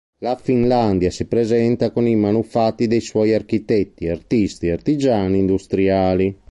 La Finlandia si presenta con i manufatti dei suoi architetti, artisti, artigiani, industriali.